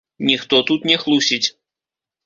Ніхто тут не хлусіць.